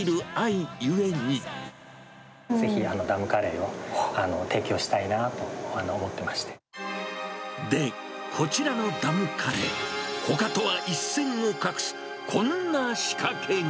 ぜひダムカレーを提供したいで、こちらのダムカレー、ほかとは一線を画す、こんな仕掛けが。